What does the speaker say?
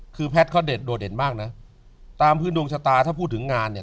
คือแพทย์เขาเด็ดโดดเด่นมากนะตามพื้นดวงชะตาถ้าพูดถึงงานเนี่ย